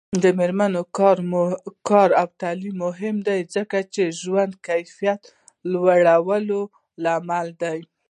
د میرمنو کار او تعلیم مهم دی ځکه چې ژوند کیفیت لوړولو لامل دی.